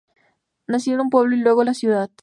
Nació un pueblo y luego, la ciudad.